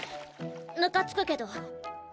ムカつくけど。